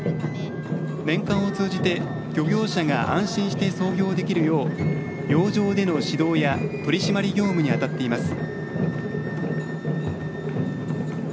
年間を通じて漁業者が安心して操業できるよう洋上での指導や取り締まり業務にあたっています。